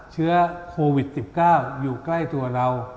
เชื้อโควิด๑๙อยู่ใกล้ตัวเรา